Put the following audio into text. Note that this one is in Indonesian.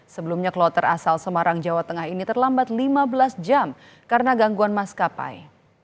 sebelumnya kloter asal semarang jawa tengah ini terlambat lima belas jam karena gangguan maskapai